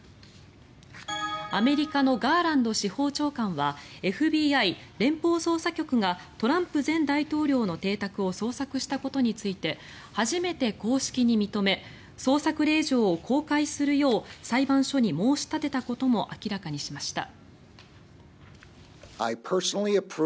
アメリカのガーランド司法長官はＦＢＩ・連邦捜査局がトランプ前大統領の邸宅を捜索したことについて初めて公式に認め捜索令状を公開するよう裁判所に申し立てたことも明らかにしました。